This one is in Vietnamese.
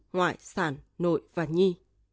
ngoại sản nội và nhi